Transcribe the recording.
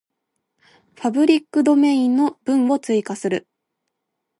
パブリックドメインの文を追加する